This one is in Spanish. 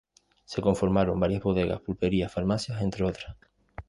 Se conformaron varias bodegas, pulperías, farmacias, entre otras.